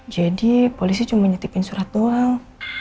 jadi polisi cuma nyetipin surat doang